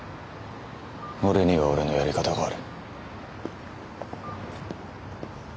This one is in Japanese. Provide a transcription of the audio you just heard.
俺には俺のやり方がある。